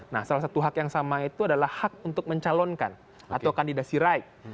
nah salah satu hak yang sama itu adalah hak untuk mencalonkan atau kandidasi right